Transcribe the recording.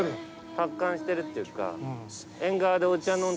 達観してるっていうか。